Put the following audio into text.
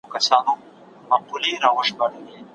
ستونزي د ژوند د پرمختګ لپاره دي.